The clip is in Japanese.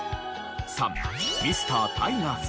３ミスタータイガース